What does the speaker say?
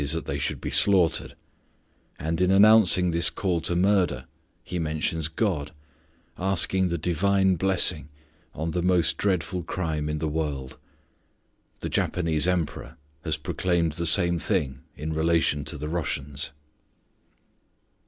_ that they should be slaughtered; and in announcing this call to murder he mentions God, asking the Divine blessing on the most dreadful crime in the world. The Japanese Emperor has proclaimed the same thing in relation to the Russians.